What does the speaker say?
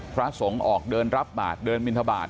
พระสงฆ์ออกเดินรับบาทเดินบินทบาท